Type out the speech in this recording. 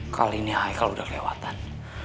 kali ini icle udah kelewatan